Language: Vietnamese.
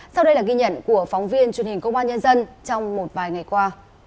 sau đây là ghi nhận của phóng viên truyền hình công an nhân dân trong một vài ngày qua